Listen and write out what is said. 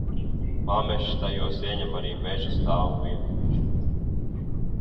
Pamežs tajos ieņem arī meža stāvu vietu.